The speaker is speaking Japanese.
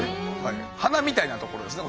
鼻みたいなところですね。